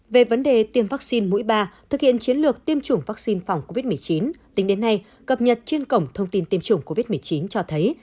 về vấn đề tiêm vaccine mũi ba thực hiện chiến lược tiêm chủng vaccine phòng covid một mươi chín tính đến nay cập nhật trên cổng thông tin tiêm chủng covid một mươi chín cho thấy